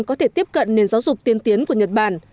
có thể tiếp cận nền giáo dục tiên tiến của nhật bản